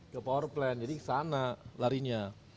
ke power plan jadi ke sana larinya